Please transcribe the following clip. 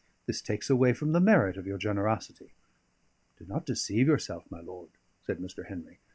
"This takes away from the merit of your generosity." "Do not deceive yourself, my lord," said Mr. Henry.